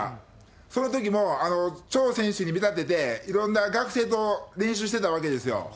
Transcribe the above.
そのときもチョ選手に見立てて、いろんな学生と練習してたわけですよ。